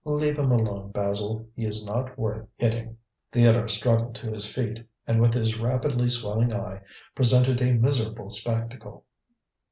"Leave him alone, Basil. He is not worth hitting." Theodore struggled to his feet, and with his rapidly swelling eye presented a miserable spectacle.